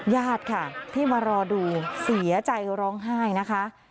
ญาติค่ะที่มารอดูเสียใจร้องไห้นะคะ